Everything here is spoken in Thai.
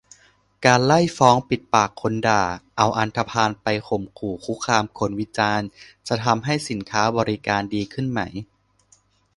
การไล่ฟ้องปิดปากคนด่า เอาอันธพาลไปข่มขู่คุกคามคนวิจารณ์ จะทำให้สินค้าบริการดีขึ้นไหม ?